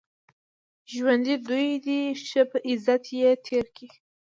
ژوند دوې ورځي دئ؛ ښه په عزت ئې تېر کئ!